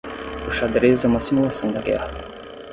O xadrez é uma simulação da guerra.